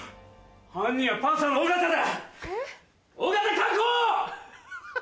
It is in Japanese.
犯人はパンサーの尾形だ！